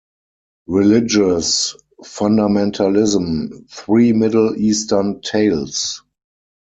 Religious Fundamentalism: Three Middle Eastern Tales.